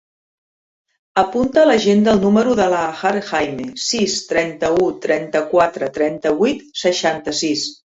Apunta a l'agenda el número de la Hajar Jaime: sis, trenta-u, trenta-quatre, trenta-vuit, seixanta-sis.